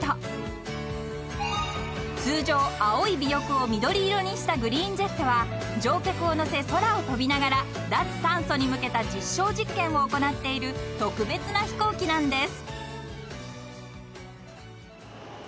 ［通常青い尾翼を緑色にしたグリーンジェットは乗客を乗せ空を飛びながら脱炭素に向けた実証実験を行っている特別な飛行機なんです］